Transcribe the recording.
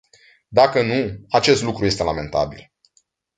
Dacă nu, acest lucru este lamentabil.